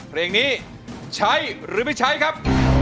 เพลงนี้ใช้หรือไม่ใช้ครับ